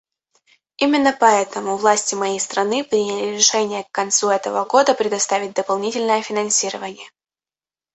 Именно поэтому власти моей страны приняли решение к концу этого года предоставить дополнительное финансирование.